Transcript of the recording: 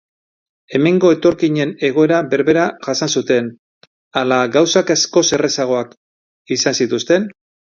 Hemengo etorkinen egoera berbera jasan zuten, ala gauzak askoz errazagoak izan zituzten?